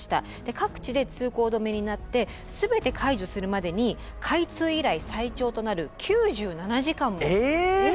各地で通行止めになって全て解除するまでに開通以来最長となる９７時間も。え！